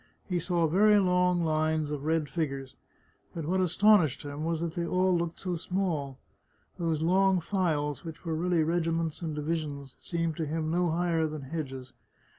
He saw very long lines of red figures, but what astonished him was that they all looked so small. Those long files, which were really regiments and divisions, seemed to him no higher than hedges.